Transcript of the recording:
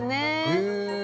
へえ。